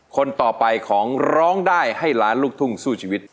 คนต่อไปของร้องได้ให้ล้านลูกทุ่งสู้ชีวิต